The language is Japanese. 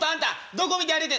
どこ見て歩いて」。